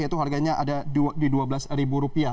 yaitu harganya ada di dua belas rupiah